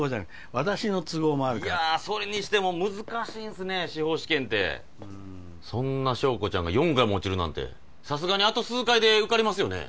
私の都合もあるからいやそれにしても難しいんすね司法試験ってそんな硝子ちゃんが４回も落ちるなんてさすがにあと数回で受かりますよね